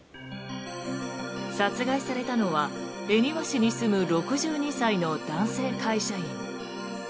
殺害されたのは、恵庭市に住む６２歳の男性会社員。